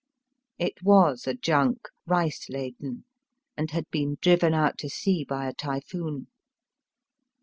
It was a junk, rice laden, and had been driven out to sea by a typhoon.